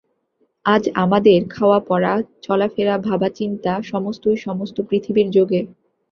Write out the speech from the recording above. আজ আমাদের খাওয়াপরা চলাফেরা ভাবাচিন্তা সমস্তই সমস্ত-পৃথিবীর যোগে।